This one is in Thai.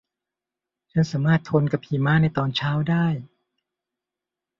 ฉันสามารถทนกับหิมะในตอนเช้าได้